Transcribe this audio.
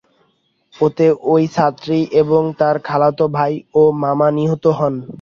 এতে ওই ছাত্রী এবং তার খালাতো ভাই ও মামা নিহত হন।